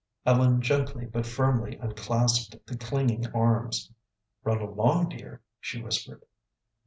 Ellen gently but firmly unclasped the clinging arms. "Run along, dear," she whispered.